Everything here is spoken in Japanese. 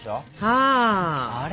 はあ！